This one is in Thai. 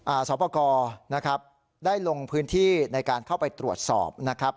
สอบประกอบนะครับได้ลงพื้นที่ในการเข้าไปตรวจสอบนะครับ